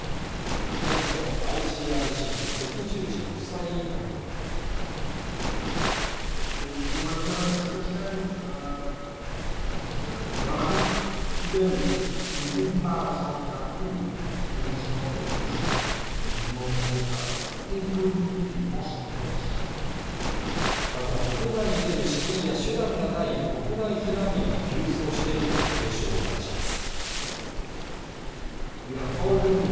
現地のＩＣＲＣ＝赤十字国際委員会ではまた国外に出る資金や手段がない国内避難民が急増していると警鐘を鳴らします。